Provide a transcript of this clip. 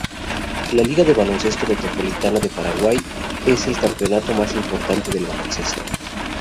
La Liga de Baloncesto Metropolitana de Paraguay es el campeonato más importante de baloncesto.